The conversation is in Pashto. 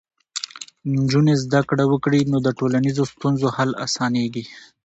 نجونې زده کړه وکړي، نو د ټولنیزو ستونزو حل اسانېږي.